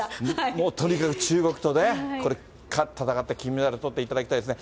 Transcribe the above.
もうとにかく、中国とね、これ、戦って金メダルとっていただきたいですね。